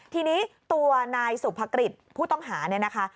ทีนี้ตัวนายสุขพคฤชผู้ตงหาละนะคะ